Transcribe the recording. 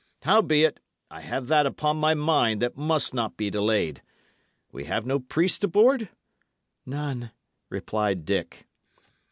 Howbeit, I have that upon my mind that must not be delayed. We have no priest aboard?" "None," replied Dick.